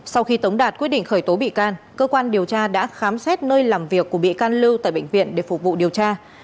sau khi tống đạt quyết định khởi tố bị can cơ quan điều tra đã khám xét nơi làm việc của bị can lưu tại bệnh viện để phục vụ điều tra